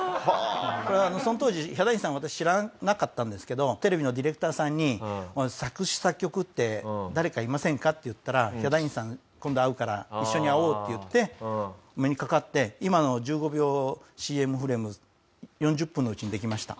その当時ヒャダインさんを私知らなかったんですけどテレビのディレクターさんに「作詞作曲って誰かいませんか？」って言ったら「ヒャダインさん今度会うから一緒に会おう」って言ってお目にかかって今の１５秒ＣＭ４０分のうちにできました。